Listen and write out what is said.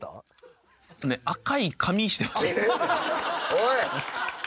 おい！